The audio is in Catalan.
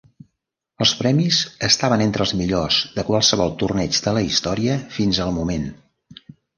Els premis estaven entre els millors de qualsevol torneig de la història fins al moment.